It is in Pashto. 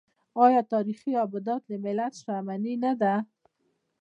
آیا تاریخي ابدات د ملت شتمني نه ده؟